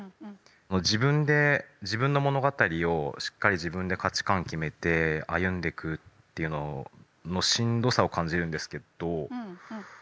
自分で自分の物語をしっかり自分で価値観決めて歩んでくっていうののしんどさを感じるんですけど。